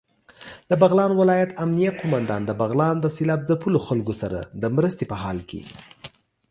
دبغلان ولايت امنيه قوماندان دبغلان د سېلاب ځپلو خلکو سره دمرستې په حال کې